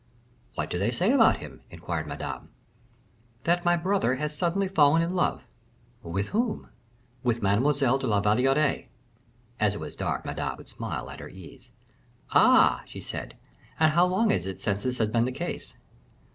"What do they say about him?" inquired Madame. "That my brother has suddenly fallen in love." "With whom?" "With Mademoiselle de la Valliere." As it was dark, Madame could smile at her ease. "Ah!" she said, "and how long is it since this has been the case?"